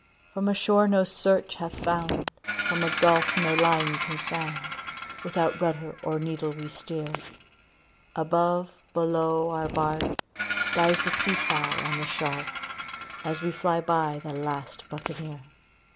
"From a shore no search hath found, from a gulf no line can sound, Without rudder or needle we steer; Above, below, our bark, dies the sea fowl and the shark, As we fly by the last Buccaneer.